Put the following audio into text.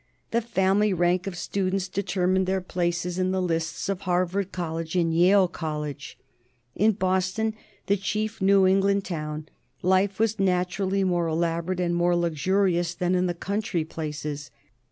The family rank of students determined their places in the lists of Harvard College and Yale College. In Boston, the chief New England town, life was naturally more elaborate and more luxurious than in the country places.